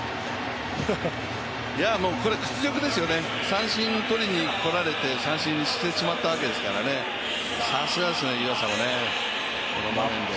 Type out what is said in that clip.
これ、屈辱ですよね、三振をとりに来られて、三振してしまったわけですからね、さすがですね、湯浅もね、このマウンド。